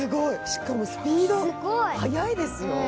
しかもスピード速いですよ。